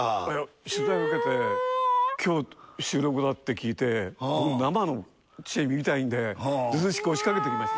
取材受けて今日収録だって聞いて生のちえみ見たいんでずうずうしく押しかけてきました。